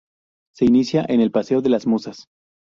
Se inicia en el Paseo de las Musas.